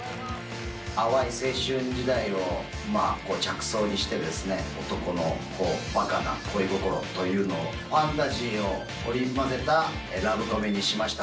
淡い青春時代を着想にして、男のばかな恋心というのをファンタジーを織り交ぜたラブコメにしました。